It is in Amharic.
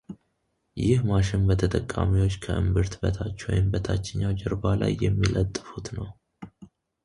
ይህ ማሽን በተጠቃሚዎች ከእምብርት በታች ወይም በታችኛው ጀርባ ላይ የሚለጥፉት ነው።